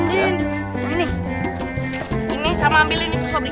ini sama ambil ini tuh sobri